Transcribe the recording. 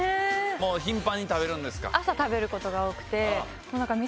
頻繁に食べるんですか？